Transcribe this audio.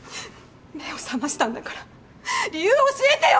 目を覚ましたんだから理由教えてよ！